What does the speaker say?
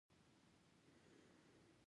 زه په ځان باور لرم.